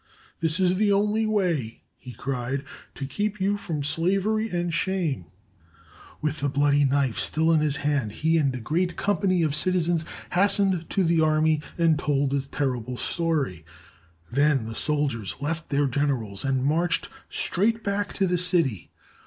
"This is the only way," he cried, "to keep you from slavery and shame." With the bloody knife still in his hand, he and a great company of citizens hastened to the army and told the terrible story. Then the soldiers left their generals and marched straight back to the city.